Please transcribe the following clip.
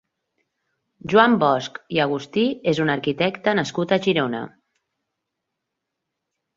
Joan Bosch i Agustí és un arquitecte nascut a Girona.